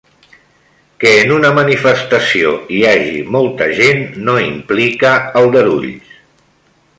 Que en una manifestació hi hagi molta gent no implica aldarulls.